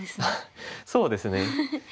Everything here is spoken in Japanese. そうですね。